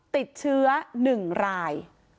ติดเชื้อ๑ราย